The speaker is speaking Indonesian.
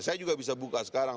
saya juga bisa buka sekarang